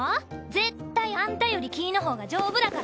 絶対あんたより木の方が丈夫だから。